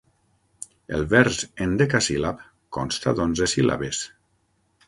El vers hendecasíl·lab consta d'onze síl·labes.